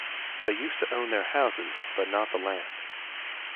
They used to own their houses, but not the land.